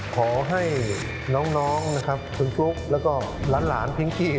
ขอให้น้องนะครับคุณฟลุ๊กแล้วก็หลานพิงกี้